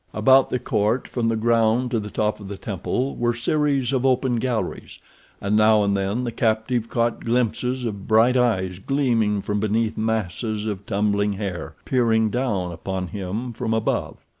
About the court, from the ground to the top of the temple, were series of open galleries, and now and then the captive caught glimpses of bright eyes gleaming from beneath masses of tumbling hair, peering down upon him from above.